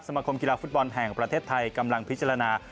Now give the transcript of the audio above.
มาคมกีฬาฟุตบอลแห่งประเทศไทยกำลังพิจารณา